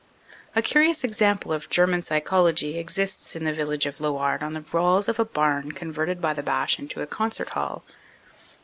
A curious example of German psychology exists in the village of Lewarde on the walls of a barn converted by the Boche into a concert hall.